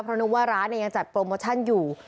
เพราะนึกว่าร้านยังจัดโปรโมชั่นอยู่